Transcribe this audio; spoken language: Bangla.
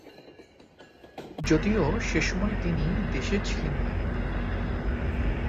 যদিও সেসময় তিনি দেশে ছিলেন না।